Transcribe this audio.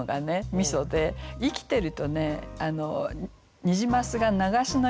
みそで生きてるとね「ニジマスが流しの横で泳いでる」とかね